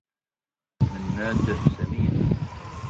منّاد سمين.